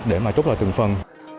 để trút lại từng phần